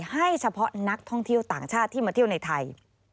ให้เฉพาะนักท่องเที่ยวต่างชาติที่มาเที่ยวในไทย